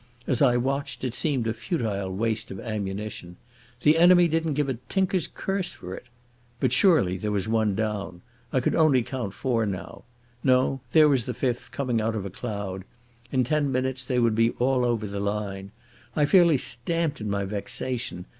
As I watched it seemed a futile waste of ammunition. The enemy didn't give a tinker's curse for it.... But surely there was one down. I could only count four now. No, there was the fifth coming out of a cloud. In ten minutes they would be all over the line. I fairly stamped in my vexation.